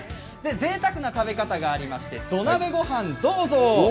ぜいたくな食べ方がありまして土鍋御飯、どうぞ。